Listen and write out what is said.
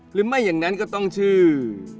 หรือไม่อย่างนั้นก็ต้องชื่อ